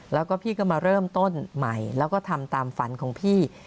แล้วก็พี่ก็มาเริ่มต้นใหม่แล้วก็ทำตามฝันของพี่